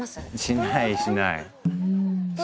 しないしない。